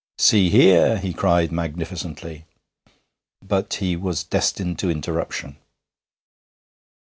'See here!' he cried magnificently, but he was destined to interruption.